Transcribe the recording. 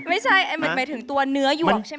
ไม่ใช่หมายถึงตัวเนื้อหยวกใช่ไหม